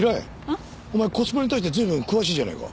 ん？お前コスプレに対して随分詳しいじゃないか。